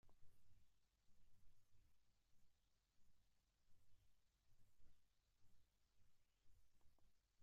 La identidad del grupo de los Ocho Santos siguió siendo un tema controvertido.